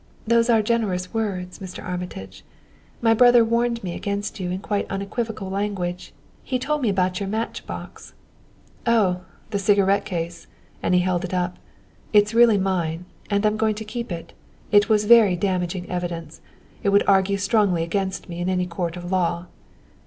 "Those are generous words, Mr. Armitage. My brother warned me against you in quite unequivocal language. He told me about your match box " "Oh, the cigarette case!" and he held it up. "It's really mine and I'm going to keep it. It was very damaging evidence. It would argue strongly against me in any court of law."